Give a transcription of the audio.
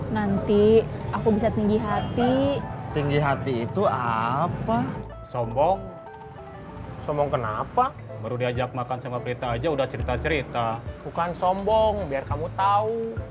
nanti aku bisa tinggi hati tinggi hati itu apa sombong sombong kenapa baru diajak makan sama prita aja udah cerita cerita bukan sombong biar kamu tahu